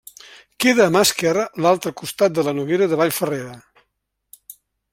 Queda a mà esquerra l'altre costat de la Noguera de Vall Ferrera.